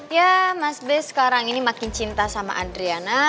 ya mas bray sekarang ini makin cinta sama adriana